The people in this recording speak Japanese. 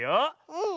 うん。